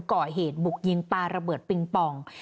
ก่อเหตุบุกยิงปลาระเบิดปิงปอง